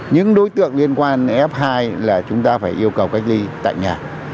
những đối tượng liên quan f hai là chúng ta phải yêu cầu cách ly tại nhà